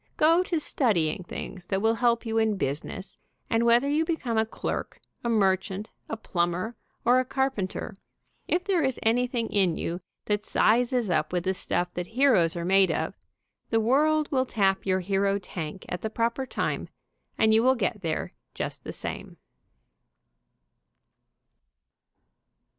Go to studying things that will help you in business, and whether you become a clerk, a merchant, a plumber or a carpenter, if there is anything in you that sizes up with the stuff that heroes are made of, the world will tap your hero tank at the proper time, and you will get there just the same.